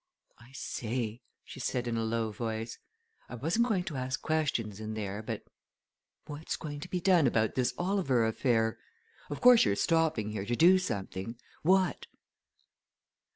"I say!" she said in a low voice. "I wasn't going to ask questions in there, but what's going to be done about this Oliver affair? Of course you're stopping here to do something. What?"